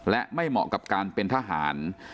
และไม่เหมาะกับการเป็นทหาร